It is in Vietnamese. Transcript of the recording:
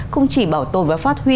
không chỉ bảo tồn và phát huy